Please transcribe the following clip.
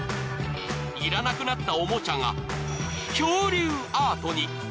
要らなくなったおもちゃが恐竜アートに。